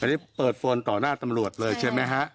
อันนี้เปิดโฟนต่อหน้าตำรวจเลยใช่ไหมฮะ